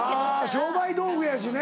商売道具やしね。